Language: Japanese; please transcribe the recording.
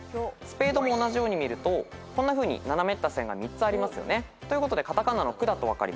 ♠も同じように見るとこんなふうに斜めった線が３つありますよね。ということで片仮名のクだと分かります。